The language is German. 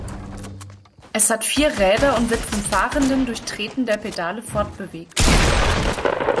Es hat vier Räder und wird vom Fahrenden durch Treten der Pedale fortbewegt.